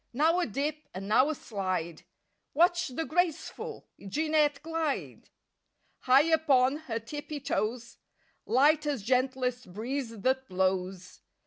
Now a dip and now a slide— Watch the graceful Jeanette glide! High upon her tippy toes, Light as gentlest breeze that blows.